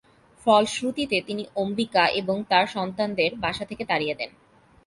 ফলশ্রুতিতে তিনি অম্বিকা এবং তাঁর সন্তানদের বাসা থেকে তাড়িয়ে দেন।